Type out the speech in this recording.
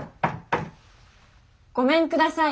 ごめんください。